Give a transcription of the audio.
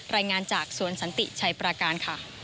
รายงานจากสวนสันติชัยปราการค่ะ